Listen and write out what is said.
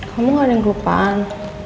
kamu gak ada yang rupaan